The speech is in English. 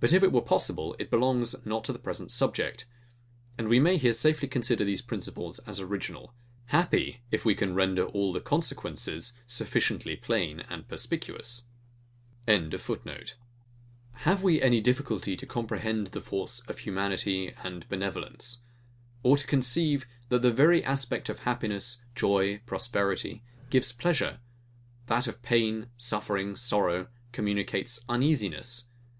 But if it were possible, it belongs not to the present subject; and we may here safely consider these principles as original; happy, if we can render all the consequences sufficiently plain and perspicuous!] Have we any difficulty to comprehend the force of humanity and benevolence? Or to conceive, that the very aspect of happiness, joy, prosperity, gives pleasure; that of pain, suffering, sorrow, communicates uneasiness?